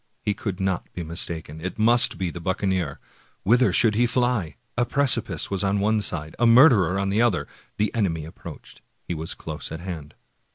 He could not be mistaken; it must be the buccaneer. Whither should he fly? — a precipice was on one side, a murderer on the other. The enemy approached — he was close at hand.